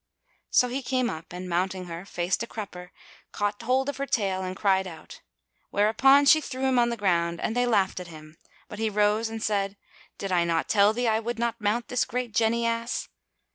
So he came up and mounting her, face to crupper, caught hold of her tail and cried out; whereupon she threw him on the ground and they laughed at him; but he rose and said, "Did I not tell thee I would not mount this great jenny ass?"